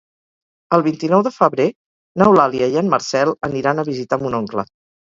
El vint-i-nou de febrer n'Eulàlia i en Marcel aniran a visitar mon oncle.